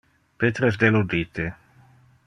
Peter es deludite.